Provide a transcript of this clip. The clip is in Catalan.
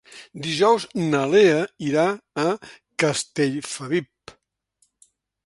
Dijous na Lea irà a Castellfabib.